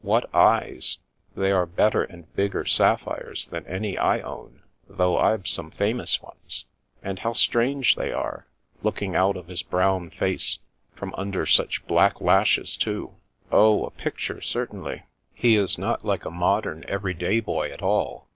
What eyes ! They are better and bigger sapphires than any I own, though I've some famous ones. And how strange Enter the Contessa 179 they are — ^looking out of his brown face, from under such black lashes, too. Oh, a picture, cer tainly. He is not like a modem, every day boy, at all.